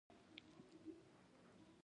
که زه د شعر و ادب مخالف یم.